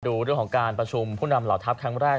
ดูเรื่องของการประชุมผู้นำเหล่าทัพครั้งแรก